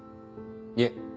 いえ